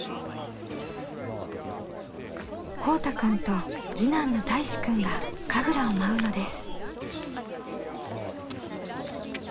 こうたくんと次男のたいしくんが神楽を舞うのです。